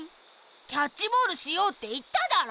キャッチボールしようっていっただろ。